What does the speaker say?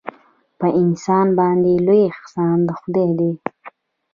په انسان باندې لوی احسان د خدای دی.